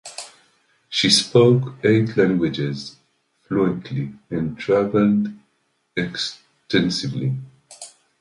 She spoke eight languages fluently and traveled extensively.